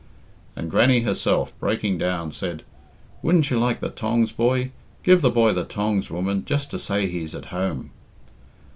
And Grannie herself, breaking down, said, "Wouldn't you like the tongs, boy? Give the boy the tongs, woman, just to say he's at home."